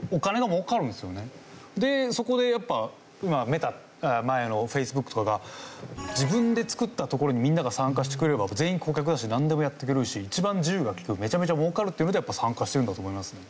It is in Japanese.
でそこでやっぱ今メタ前のＦａｃｅｂｏｏｋとかが自分で作ったところにみんなが参加してくれれば全員顧客だしなんでもやってくれるし一番自由が利くめちゃめちゃ儲かるっていうので参加してるんだと思いますね。